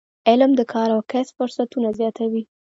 علم د کار او کسب فرصتونه زیاتوي.